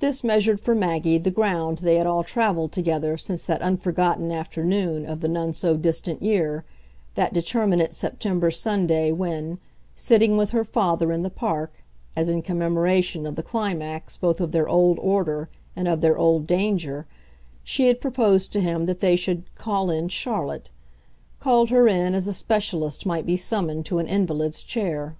This measured for Maggie the ground they had all travelled together since that unforgotten afternoon of the none so distant year, that determinant September Sunday when, sitting with her father in the park, as in commemoration of the climax both of their old order and of their old danger, she had proposed to him that they should "call in" Charlotte, call her in as a specialist might be summoned to an invalid's chair.